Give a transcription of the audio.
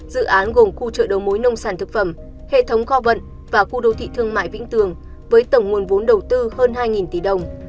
dự án gồm khu chợ đầu mối nông sản thực phẩm hệ thống kho vận và khu đô thị thương mại vĩnh tường với tổng nguồn vốn đầu tư hơn hai tỷ đồng